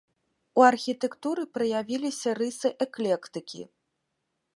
У архітэктуры праявіліся рысы эклектыкі.